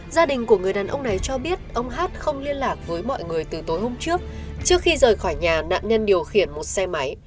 gia đình của người đàn ông này cho biết ông hát không liên lạc với mọi người từ tối hôm trước trước khi rời khỏi nhà nạn nhân điều khiển một xe máy